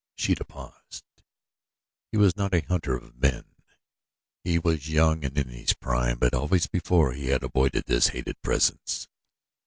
Sheeta paused. He was not a hunter of men. He was young and in his prime; but always before he had avoided this hated presence.